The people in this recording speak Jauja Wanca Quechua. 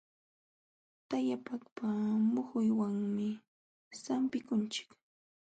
Tayakaqpa muhunwanmi sampikunchik.